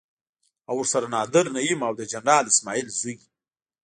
او ورسره نادر نعيم او د جنرال اسماعيل زوی.